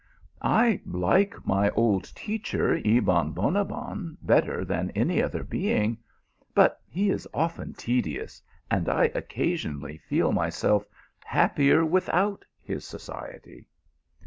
" I like my old teacher, Ebon Bonabbon, better than any other being ; but he is often tedious, and I occasionally feel myself happier without his society."